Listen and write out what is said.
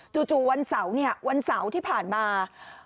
จู่วันเสาร์วันเสาร์ที่ผ่านมา